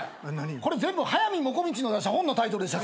これ全部速水もこみちの出した本のタイトルでした。